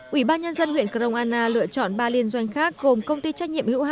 ubnd huyện grong anna lựa chọn ba liên doanh khác gồm công ty trách nhiệm hữu hạn